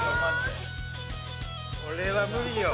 これは無理よ。